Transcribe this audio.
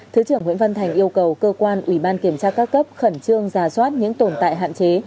thứ trưởng nguyễn văn thành yêu cầu cơ quan ủy ban kiểm tra các cấp khẩn trương giả soát những tồn tại hạn chế